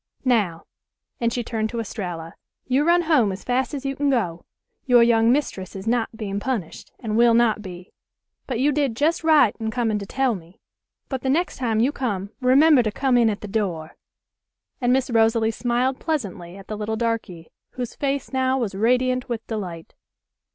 Now," and she turned to Estralla, "you run home as fast as you can go. Your young mistress is not being punished, and will not be. But you did just right in coming to tell me. But the next time you come remember to come in at the door!" and Miss Rosalie smiled pleasantly at the little darky, whose face now was radiant with delight.